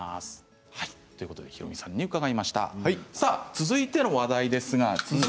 続いての話題です。